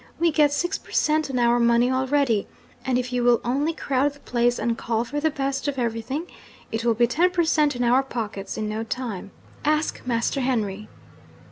We get six per cent. on our money already; and if you will only crowd the place and call for the best of everything, it will be ten per cent. in our pockets in no time. Ask Master Henry!"